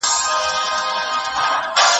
سنجيدګي تر جذباتو زيات ثبات لري.